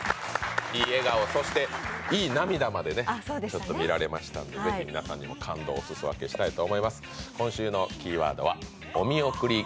いい笑顔、そしていい涙までちょっと見られましたので、是非、皆さんにも感動を見ていただきたいと思います。